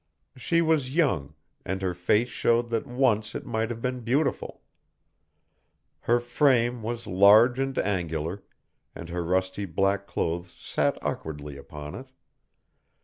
She was young, and her face showed that once it might have been beautiful. Her frame was large and angular, and her rusty black clothes sat awkwardly upon it.